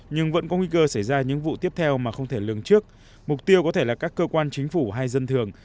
nhưng vẫn có nguy cơ xảy ra những vụ tiếp theo mà không thể lường trước mục tiêu có thể là các cơ quan chính phủ hay dân thường